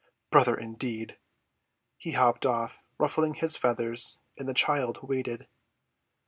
Brother, indeed!" He hopped off, ruffling his feathers, and the child waited.